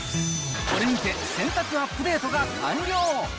これにて、洗濯アップデートが完了。